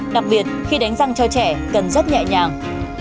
đặc biệt khi đánh răng cho trẻ cần rất nhẹ nhàng